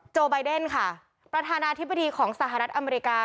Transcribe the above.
ไบเดนค่ะประธานาธิบดีของสหรัฐอเมริกา